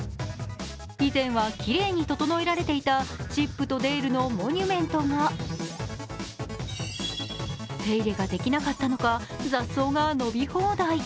以前はきれいに整えられていたチップとデールのモニュメントが手入れができなかったのか、雑草が伸び放題。